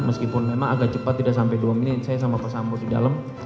meskipun memang agak cepat tidak sampai dua menit saya sama pak sambo di dalam